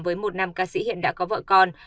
với một nam ca sĩ hiện đã có vợ con